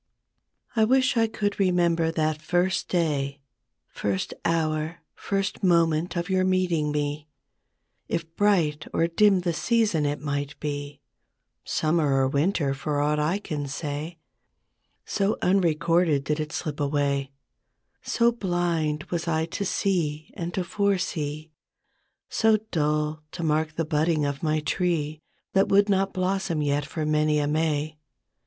T WISH I could remember that first day, " L First hour, first moment of your meeting me; It bright or dim the season, it might be Summer or Winter for aught I can say; So unrecorded did it slip away, So blind was I to see and to foresee — So dull to mark the budding of my tree That would not blossom yet for many a May.